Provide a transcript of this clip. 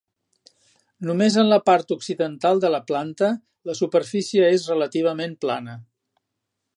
Només en la part occidental de la planta la superfície és relativament plana.